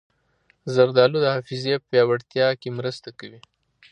زردالو د حافظې پیاوړتیا کې مرسته کوي.